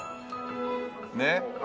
ねっ？